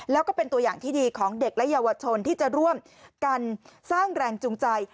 แล้วก็เป็นตัวอย่างที่ดีของเด็กและเยาวชนที่จะร่วมกันสร้างแรงจูงใจ